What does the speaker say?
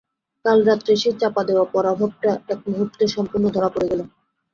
কাল রাত্রে সেই চাপা-দেওয়া পরাভবটা এক মুহূর্তে সম্পূর্ণ ধরা পড়ে গেল।